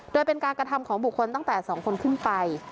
โดยเป็นการกระทำของบุคคลตั้งแต่๒คนขึ้นไป